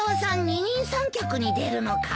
二人三脚に出るのか。